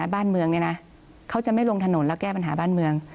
บ้านเมืองเขาจะไม่ลงถนนแล้วแก้ปัญหาบ้านเมือง